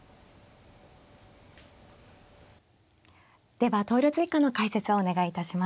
では投了図以下の解説をお願いいたします。